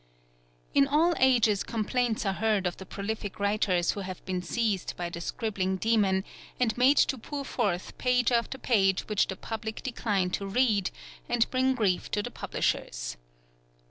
In all ages complaints are heard of the prolific writers who have been seized by the scribbling demon, and made to pour forth page after page which the public decline to read, and bring grief to the publishers.